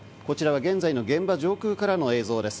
現在の現場上空からの映像です。